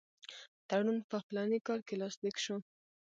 تړون په فلاني کال کې لاسلیک شو.